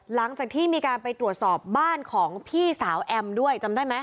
หลังจากที่มีการไปตรวจสอบบ้านของพี่สาวแอมด้วยจำได้ไหม